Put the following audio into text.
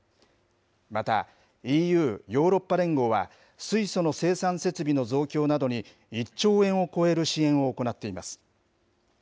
また、ＥＵ・ヨーロッパ連合は、水素の生産設備の増強などに１兆円を超える支援を行っています。